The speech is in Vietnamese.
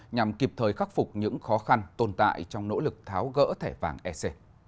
nhằm kịp thời khắc phục những khó khăn tồn tại trong nỗ lực tháo gỡ thẻ vàng ec